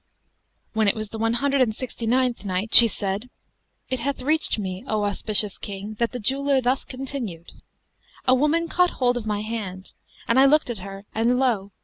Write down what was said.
When it was the One Hundred and Sixty ninth Night, She said, It hath reached me, O auspicious King, that the jeweller thus continued:—"A woman caught hold of my hand; and I looked at her and lo!